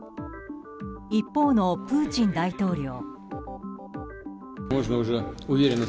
一方のプーチン大統領。